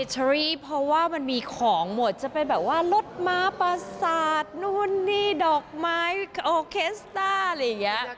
เชอรี่เพราะว่ามันมีของหมดจะเป็นแบบว่ารถม้าประสาทนู่นนี่ดอกไม้โอเคสต้าอะไรอย่างนี้